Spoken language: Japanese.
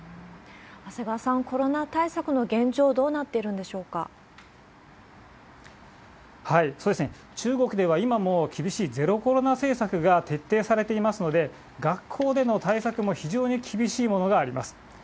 長谷川さん、コロナ対策の現状、中国では、今も厳しいゼロコロナ政策が徹底されていますので、学校での対策も非常に厳しいものがあります。